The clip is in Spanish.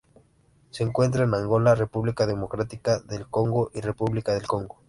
Se encuentra en Angola, República Democrática del Congo y República del Congo.